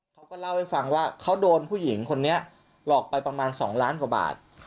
เขาก็เล่าให้ฟังว่าเขาโดนผู้หญิงคนนี้หลอกไปประมาณ๒ล้านกว่าบาท